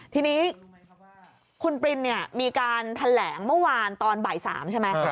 ทีนี้คุณปรินเนี่ยมีการแถลงเมื่อวานตอนบ่าย๓ใช่ไหม